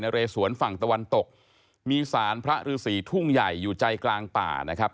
เรสวนฝั่งตะวันตกมีสารพระฤษีทุ่งใหญ่อยู่ใจกลางป่านะครับ